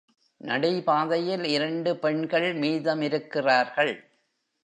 நடைபாதையில் இரண்டு பெண்கள் மீதமிருக்கிறார்கள்.